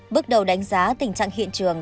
bước đầu đánh giá tình trạng hiện trường